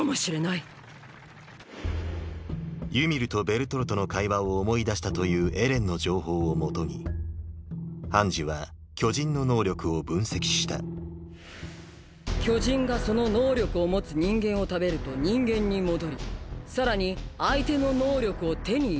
ユミルとベルトルトの会話を思い出したというエレンの情報をもとにハンジは巨人の能力を分析した巨人がその能力を持つ人間を食べると人間に戻りさらに相手の能力を手に入れるんだ。